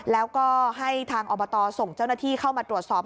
แล้วก็ให้ทางอบตส่งเจ้าหน้าที่เข้ามาตรวจสอบ